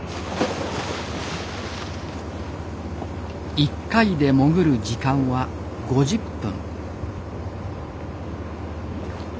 一回で潜る時間は５０分。